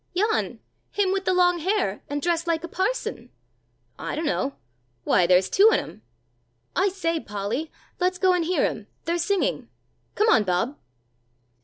"Yon. Him with the long hair, and dressed like a parson." "I dunno. Why there's two on 'em." "I say, Polly, let's go and hear 'em, they're singing. Come on, Bob."